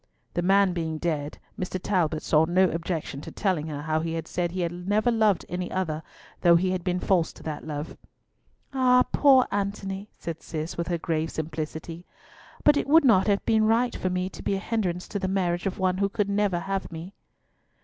The man being dead, Mr. Talbot saw no objection to telling her how he had said he had never loved any other, though he had been false to that love. "Ah, poor Antony!" said Cis, with her grave simplicity. "But it would not have been right for me to be a hindrance to the marriage of one who could never have me."